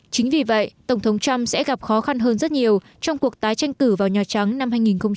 chính vì vậy tổng thống trump sẽ gặp khó khăn hơn rất nhiều trong cuộc tái tranh cử vào nhà trắng năm hai nghìn một mươi chín